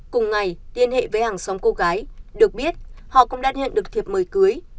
cùng ngày liên hệ với hàng xóm cô gái được biết họ không đặt hiện được thiệp mời cưới